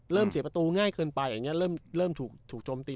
เริ่มเสียประตูง่ายเกินไปอย่างเงี้ยเริ่มเริ่มถูกถูกจมตี